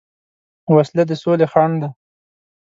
وسله د سولې خنډ ده